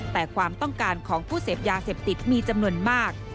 แต่ความต้องการของผู้เสพยาเสพติดมีจำนวนมาก